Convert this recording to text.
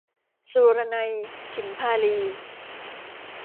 สุรนัย ฉิมพาลี